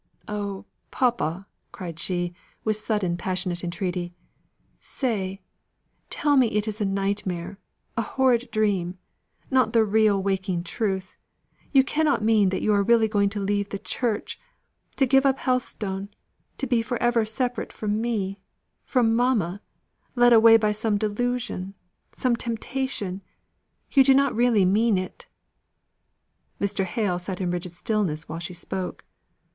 Oh, papa," cried she with sudden passionate entreaty, "say tell me it is a nightmare a horrid dream not the real waking truth! You cannot mean that you are really going to leave the Church to give up Helstone to be for ever separate from me, from mamma led away by some delusion some temptation! You do not really mean it!" Mr. Hale sat in rigid stillness while she spoke.